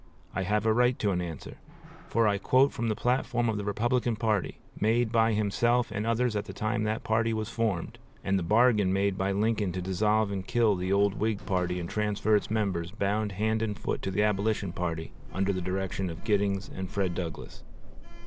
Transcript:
I have a right to an answer; for I quote from the platform of the Republican party, made by himself and others at the time that party was formed, and the bargain made by Lincoln to dissolve and kill the old Whig party and transfer its members, bound hand and foot, to the Abolition party under the direction of Giddings and Fred Douglass.